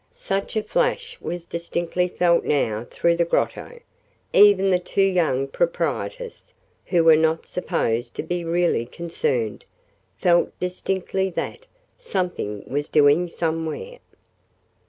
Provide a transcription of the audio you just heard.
Such a flash was distinctly felt now through the Grotto even the two young proprietors, who were not supposed to be really concerned, felt distinctly that "something was doing somewhere."